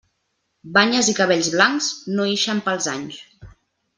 Banyes i cabells blancs, no ixen pels anys.